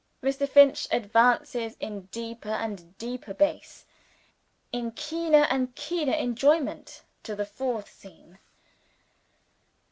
Mr. Finch advances in deeper and deeper bass, in keener and keener enjoyment, to the Fourth Scene.